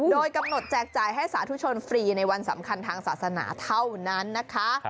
โดยกำหนดแจกจ่ายให้สาธุชนฟรีในวันสำคัญทางศาสนาเท่านั้นนะคะ